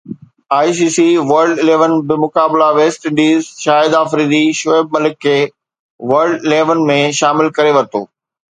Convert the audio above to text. I C C world eleven بمقابله West Indies Shahid Afridi Shoaib Malik کي world eleven ۾ شامل ڪري ورتو